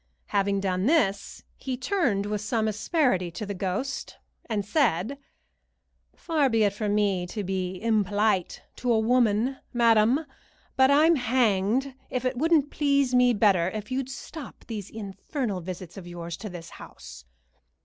Having done this, he turned with some asperity to the ghost, and said: "Far be it from me to be impolite to a woman, madam, but I'm hanged if it wouldn't please me better if you'd stop these infernal visits of yours to this house.